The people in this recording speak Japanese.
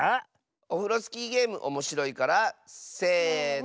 オフロスキーゲームおもしろいからせの。